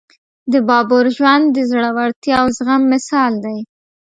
د بابر ژوند د زړورتیا او زغم مثال دی.